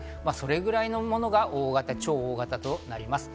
日本列島を広く覆う、それぐらいのものが大型、超大型となります。